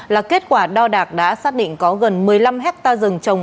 là kết quả đo đạc đã xác định có gần một mươi năm hectare rừng trồng